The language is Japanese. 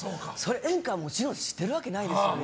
演歌はもちろん知ってるわけないですよね。